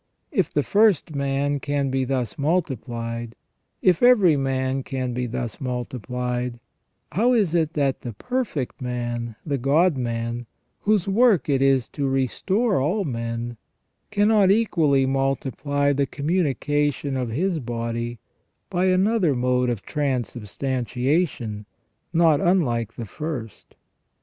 If the first man can be thus multiplied, if every man can be thus multiplied, how is it that the perfect man, the God man, whose work it is to restore all men, cannot equally multiply the communication of His body by another mode of transubstantiation, not unlike the first